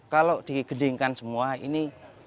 kalau digendingkan semua ini